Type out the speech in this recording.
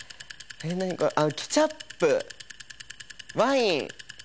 何かあっケチャップワイン